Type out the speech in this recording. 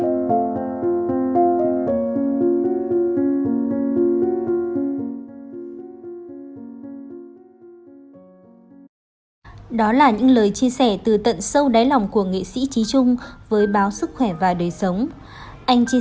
ừ đó là những lời chia sẻ từ tận sâu đáy lòng của nghệ sĩ trí trung với báo sức khỏe và đời sống anh chia